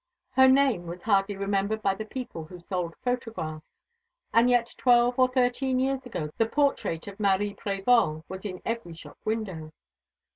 Her name was hardly remembered by the people who sold photographs. And yet twelve or thirteen years ago the portrait of Marie Prévol was in every shop window.